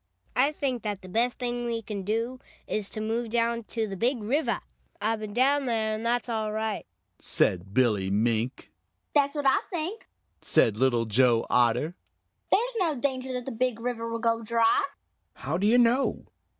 "I think that the best thing we can do is to move down to the Big River. I've been down there, and that's all right," said Billy Mink. "That's what I think," said Little Joe Otter. "There's no danger that the Big River will go dry." "How do you know?"